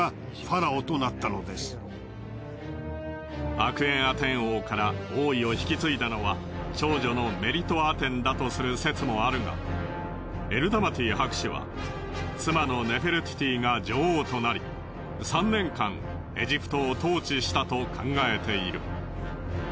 アクエンアテン王から王位を引き継いだのは長女のメリトアテンだとする説もあるがエルダマティ博士は妻のネフェルティティが女王となり３年間エジプトを統治したと考えている。